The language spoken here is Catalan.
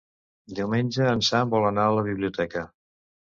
Diumenge en Sam vol anar a la biblioteca.